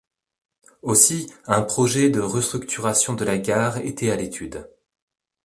Aussi, un projet de restructuration de la gare était à l'étude.